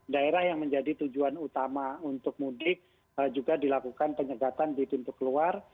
daerah yang menjadi tujuan utama untuk mudik juga dilakukan penyekatan di pintu keluar